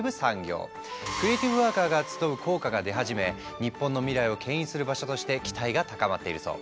クリエイティブワーカーが集う効果が出始め日本の未来をけん引する場所として期待が高まっているそう。